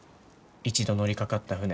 一度乗りかかった船